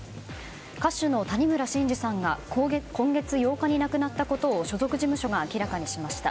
歌手の谷村新司さんが今月８日に亡くなったことを所属事務所が明らかにしました。